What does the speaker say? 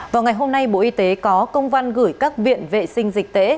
vào ngày hôm nay bộ y tế có công văn gửi các viện vệ sinh dịch tễ